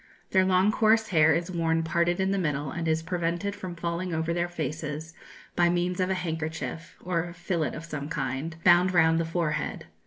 Their long coarse hair is worn parted in the middle, and is prevented from falling over their faces by means of a handkerchief, or fillet of some kind, bound round the forehead.